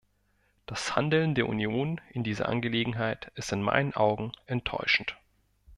Das Handeln der Union in dieser Angelegenheit ist in meinen Augen enttäuschend.